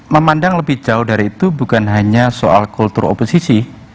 memandang lebih jauh dari itu bukan hanya soal kultur oposisi